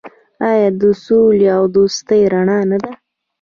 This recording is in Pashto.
آیا د سولې او دوستۍ رڼا نه ده؟